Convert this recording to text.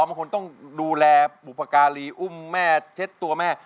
บางคนต้องดูแลบุพการีอุ้มแม่เช็ดตัวแม่